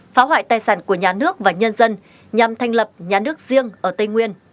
phá hoại tài sản của nhà nước và nhân dân nhằm thành lập nhà nước riêng ở tây nguyên